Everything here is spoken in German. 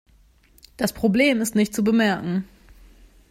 Das Problem ist nicht zu bemerken.